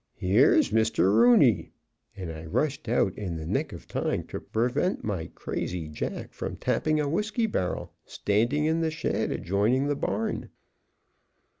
Here Mr. Rooney and I rushed out in the nick of time to prevent my crazy jack from tapping a whiskey barrel standing in the shed adjoining the barn.